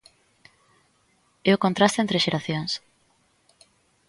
É o contraste entre xeracións.